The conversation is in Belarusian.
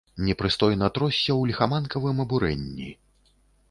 Непрыстойна тросся ў ліхаманкавым абурэнні.